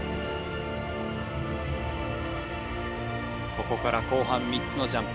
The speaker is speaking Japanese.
ここから後半３つのジャンプ。